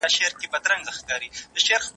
علمي لارې غوره کړئ.